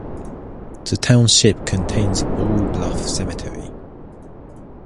The township contains Ball Bluff Cemetery.